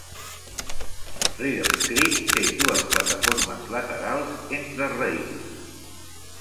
Riddells Creek té dues plataformes laterals entre rails.